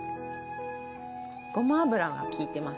ごま油が効いてます。